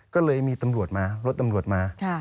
ก็เลยมีตำรวจมารถตำรวจมา